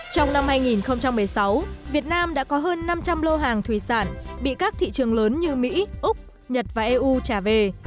trong năm hai nghìn một mươi sáu việt nam đã có hơn năm trăm linh lô hàng thủy sản bị các thị trường lớn như mỹ úc nhật và eu trả về